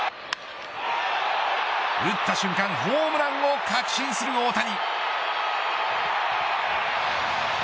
打った瞬間ホームランを確信する大谷。